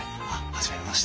初めまして。